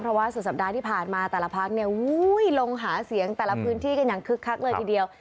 เพราะว่าสุดสัปดาห์ที่ผ่านมาแต่ละพักเนี่ยลงหาเสียงแต่ละพื้นที่กันอย่างคึกคักเลยทีเดียว